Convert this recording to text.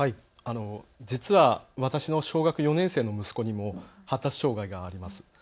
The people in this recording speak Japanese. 実は私の小学４年生の息子にも発達障害があります。